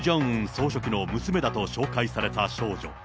総書記の娘だと紹介された少女。